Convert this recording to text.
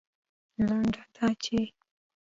لنډه دا چې